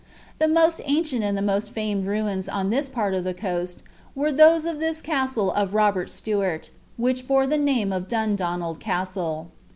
The most ancient and the most famed ruins on this part of the coast were those of this castle of Robert Stuart, which bore the name of Dundonald Castle.